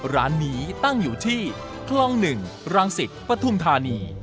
ร้านนี้ตั้งอยู่ที่คลอง๑รังสิตปฐุมธานี